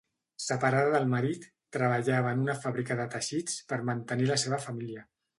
Separada del marit, treballava en una fàbrica de teixits per mantenir la seva família.